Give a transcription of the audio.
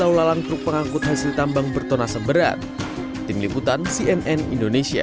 lau lalang truk pengangkut hasil tambang bertona seberat tim liputan cnn indonesia